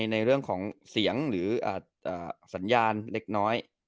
ในเรื่องของเสียงหรือสัญญาณเล็กน้อย